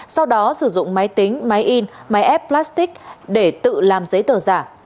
sau đó sử dụng máy tính máy in máy ép plastic để tự làm giấy tờ giả